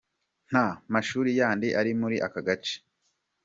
Nta mashuri yandi ari muri aka gace.